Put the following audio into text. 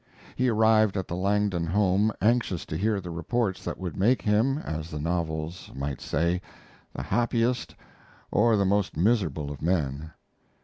He arrived at the Langdon home, anxious to hear the reports that would make him, as the novels might say, "the happiest or the most miserable of men."